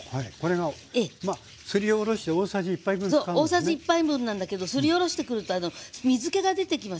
大さじ１杯分なんだけどすりおろしてくると水けが出てきますよね。